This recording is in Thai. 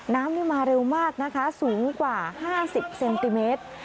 น้ำนี่มาเร็วมากนะคะสูงกว่า๕๐เซนติเมตร